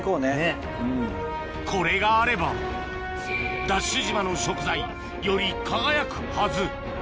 これがあればＤＡＳＨ島の食材より輝くはず